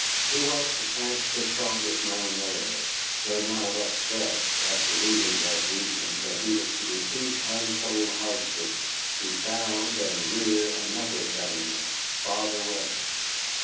He was perchance the strongest man there, though none of us guessed, after ruling that region, that he was to repeat untold hardships to found and rear another settlement farther west.